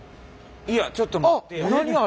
いやちょっと待ってや。